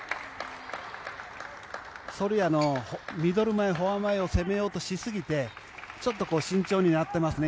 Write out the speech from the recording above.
ソルヤのミドル前フォア前を攻めようとしすぎてちょっと慎重になっていますね